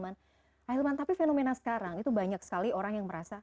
ahilman tapi fenomena sekarang itu banyak sekali orang yang merasa